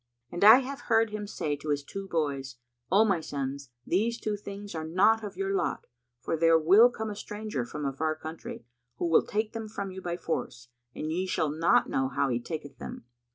And I have heard him say to his two boys, 'O my sons, these two things are not of your lot, for there will come a stranger from a far country, who will take them from you by force, and ye shall not know how he taketh them.'